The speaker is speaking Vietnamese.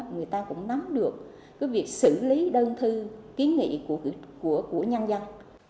người ta cũng nắm được cái việc xử lý đơn thư kiến nghị của nhân dân